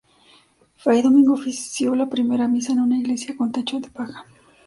Fray Domingo ofició la primera misa en una iglesia con techo de paja.